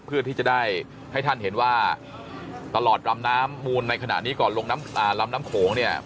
เพื่อที่จะได้ให้ท่านเห็นว่าตลอดลำน้ำมูลในขณะนี้ก่อนลงน้ำลำน้ำโขงเนี่ย